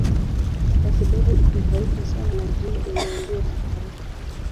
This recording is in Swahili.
Kwa sababu iko karibu sana na jua ina mbio za haraka.